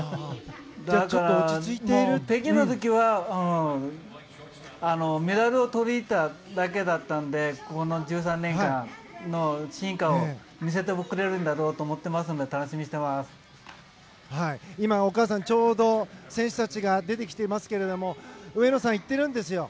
北京の時はメダルをとりにいっただけだったのでこの１３年間の進化を見せてくれるだろうと思いますので今、お母さん、ちょうど選手たちが出てきていますけども上野さん、言ってるんですよ。